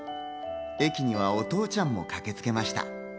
駅にはお父ちゃんも駆けつけました。